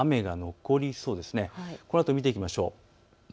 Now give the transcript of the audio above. このあと見ていきましょう。